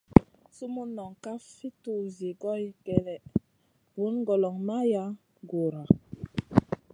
Sumun noŋ kaf fi tuzi goy kélèʼèh, vun goloŋ ma yaʼ Guhra.